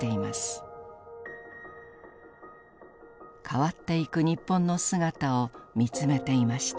変わっていく日本の姿を見つめていました。